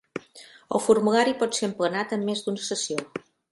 El formulari pot ser emplenat en més d'una sessió.